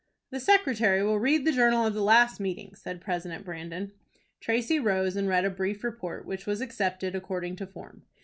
"The secretary will read the journal of the last meeting," said President Brandon. Tracy rose, and read a brief report, which was accepted, according to form.